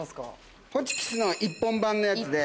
ホチキスの１本版のやつで。